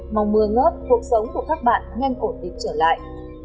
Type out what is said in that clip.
mong mưa ngớt cuộc sống của các bạn nhanh cổ tịp trở lại